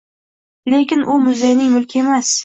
Lekin u muzeyning mulki emas